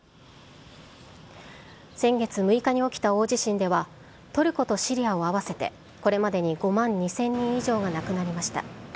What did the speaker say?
先月６日に起きた大地震では、トルコとシリアを合わせて、これまでに５万２０００人以上が亡くなりました。